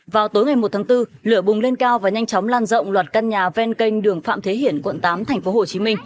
vào tối ngày một tháng bốn lửa bùng lên cao và nhanh chóng lan rộng loạt căn nhà ven kênh đường phạm thế hiển quận tám tp hcm